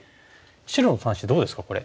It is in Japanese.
白の３子どうですかこれ。